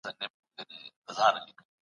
سياسي هڅي به نوري هم پېچلې کېږي.